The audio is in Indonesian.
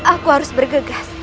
aku harus bergegas